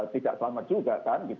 tidak selamat juga kan